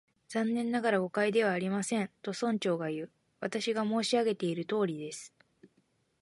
「残念ながら、誤解ではありません」と、村長がいう。「私が申し上げているとおりです」